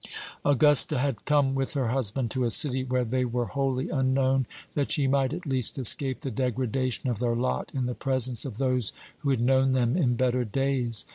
Augusta had come with her husband to a city where they were wholly unknown, that she might at least escape the degradation of their lot in the presence of those who had known them in better days.